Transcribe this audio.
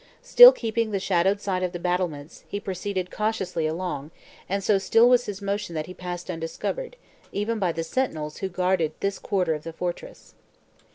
Still keeping the shadowed side of the battlements, he proceeded cautiously along, and so still was his motion that he passed undiscovered, even by the sentinels who guarded this quarter of the fortress.